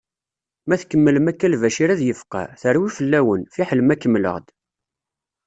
Ma tkemmlem akka Lbacir ad yefqeɛ, terwi fell-awen, fiḥel ma kemmleɣ-d.